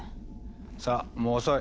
さあもう遅い。